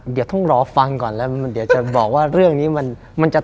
เดี๋ยวต้องรอฟังก่อนแล้ว